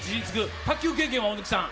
卓球経験は、大貫さん？